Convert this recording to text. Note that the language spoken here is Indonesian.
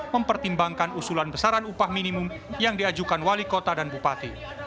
mempertimbangkan usulan besaran upah minimum yang diajukan wali kota dan bupati